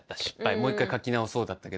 もう一回書き直そう」だったけども